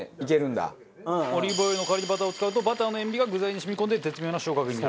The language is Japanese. オリーブオイルの代わりにバターを使うとバターの塩味が具材に染み込んで絶妙な塩加減になると。